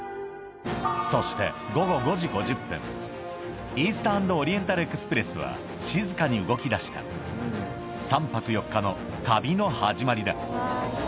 そしてイースタン＆オリエンタル・エクスプレスは静かに動きだした３泊４日の旅の始まりだ